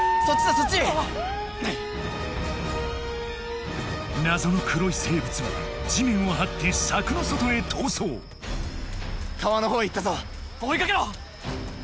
そっち謎の黒い生物は地面をはって柵の外へ逃走川の方へ行ったぞ追いかけろ！